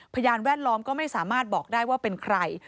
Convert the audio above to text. พยานแวดล้อมก็ไม่สามารถบอกได้ว่าเป็นใคร